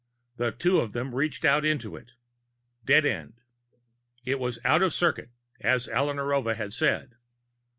The two of them reached out into it Dead end. It was out of circuit, as Alla Narova had said.